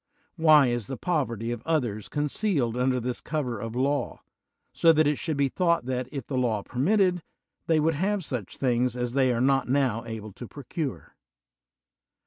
Why is the poverty of others concealed under this cover of law, so that it should be thought that, if the law permitted, they would have such things as they are not now able to procure?